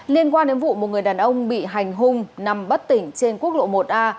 liên quan đến vụ một người đàn ông bị hành hung nằm bất tỉnh trên quốc lộ một a